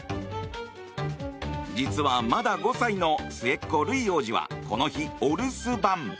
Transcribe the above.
実はまだ５歳の末っ子ルイ王子は、この日お留守番。